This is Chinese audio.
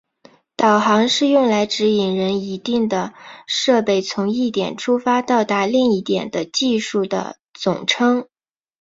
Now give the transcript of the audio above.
导航是用来指引人一定的设备从一点出发到达另一点的技术的总称。